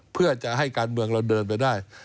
เพื่อจะให้การเมืองเราเดินไปได้